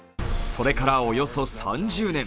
それから、およそ３０年。